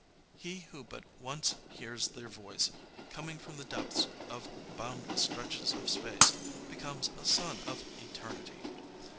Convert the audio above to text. He who but ouce hears their voice, coming from the depths of boundless stretches of space, be comes a son of eternity.